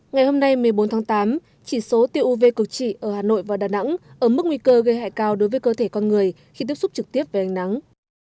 ngày hôm nay một mươi bốn tháng tám chỉ số tiêu uv cực trị ở hà nội và đà nẵng ở mức nguy cơ gây hại cao đối với cơ thể con người khi tiếp xúc trực tiếp với ánh nắng